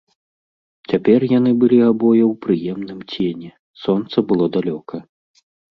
Цяпер яны былі абое ў прыемным цені, сонца было далёка.